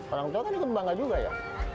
orang tua kan ikut bangga juga ya